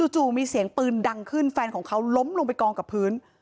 จู่มีเสียงปืนดังขึ้นแฟนของเขาล้มลงไปกองกับพื้น